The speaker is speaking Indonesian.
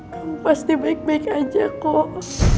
kamu pasti baik baik aja kok